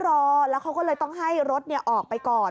รอแล้วเขาก็เลยต้องให้รถออกไปก่อน